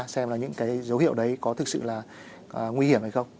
xem là những cái dấu hiệu đấy có thực sự là nguy hiểm hay không